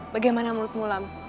bagaimana menurutmu lam